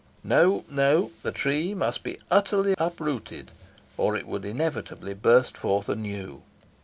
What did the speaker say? No, no! the tree must be utterly uprooted, or it would inevitably burst forth anew."